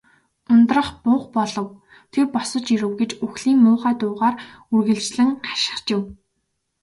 "Ундрах буг болов. Тэр босож ирэв" гэж үхлийн муухай дуугаар үргэлжлэн хашхичив.